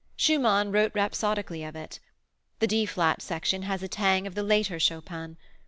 Schumann wrote rhapsodically of it. The D flat section has a tang of the later Chopin.